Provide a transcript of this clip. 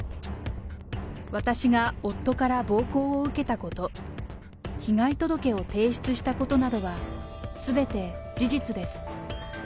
私が夫から暴行を受けたこと、被害届を提出したことなどはすべて事実です。